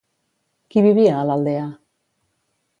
Qui vivia a l'aldea?